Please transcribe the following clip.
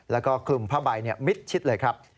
แล้วก็คลุมผ้าใบมิดชิดเลยครับ